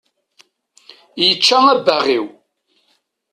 Yečča abbaɣ-iw.